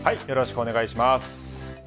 よろしくお願いします。